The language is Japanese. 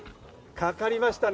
かかりましたね。